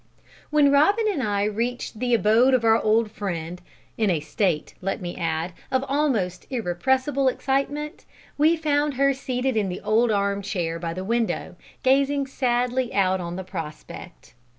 When Robin and I reached the abode of our old friend in a state, let me add, of almost irrepressible excitement we found her seated in the old arm chair by the window, gazing sadly out on the prospect.